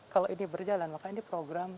kalau ini berjalan maka ini program